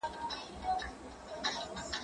زه اجازه لرم چي ځواب وليکم!.!.